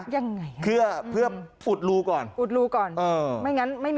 ยังไง